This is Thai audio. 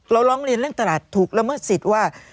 เราร้องเรียนเรื่องตลาดถูกแล้วเมื่อสิทธิ์ว่า